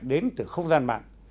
đến từ không gian mạng